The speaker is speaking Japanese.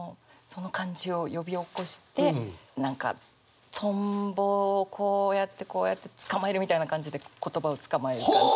その感じを呼び起こして何かとんぼをこうやってこうやって捕まえるみたいな感じで言葉をつかまえる感じ。